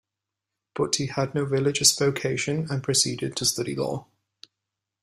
But he had no religious vocation and proceeded to study law.